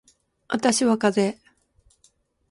私はかぜ